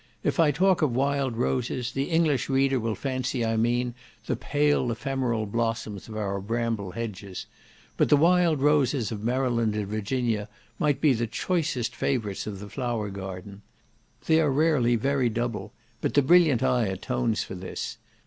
If I talk of wild roses, the English reader will fancy I mean the pale ephemeral blossoms of our bramble hedges; but the wild roses of Maryland and Virginia might be the choicest favourites of the flower garden. They are rarely very double, but the brilliant eye atones for this.